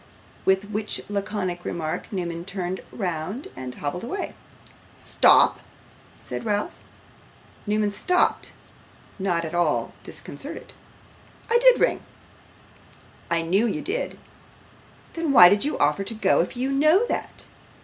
With which laconic remark Newman turned round and hobbled away. 'Stop!' said Ralph. Newman stopped; not at all disconcerted. 'I did ring.' 'I knew you did.' 'Then why do you offer to go if you know that?